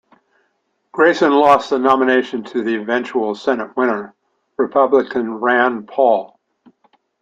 Grayson lost the nomination to the eventual Senate winner, Republican Rand Paul.